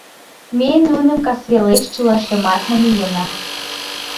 — Ме нуным касвелеш чылаштымат намиена.